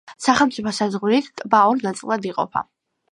სახელმწიფო საზღვრით ტბა ორ ნაწილად იყოფა.